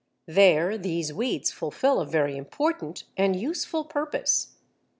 There these weeds fulfil a very important and useful purpose.